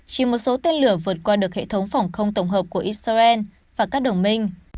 chỉ một số tên lửa vượt qua được hệ thống phòng không tổng hợp của israel và các đồng minh